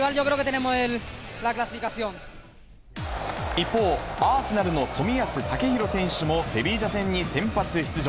一方、アーセナルの冨安健洋選手もセビージャ戦に先発出場。